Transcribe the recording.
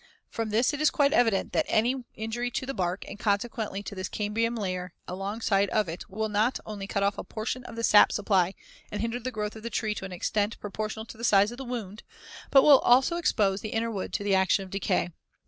From this it is quite evident that any injury to the bark, and consequently to this cambium layer alongside of it, will not only cut off a portion of the sap supply and hinder the growth of the tree to an extent proportional to the size of the wound, but will also expose the inner wood to the action of decay.